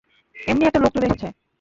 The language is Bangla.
এমনি একটা লোক চলে এসেছে।